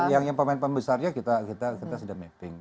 yang pemain pembesarnya kita sudah mapping